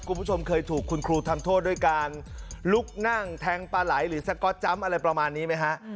คุณผู้ชมเคยถูกคุณครูทำโทษด้วยการลุกนั่งแทงปลาไหลหรือสก๊อตจำอะไรประมาณนี้ไหมฮะ